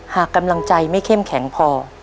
หากกำลังใจไม่เข้มแข็งพอ